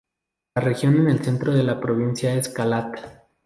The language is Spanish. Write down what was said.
La región en el centro de la provincia es Kalat.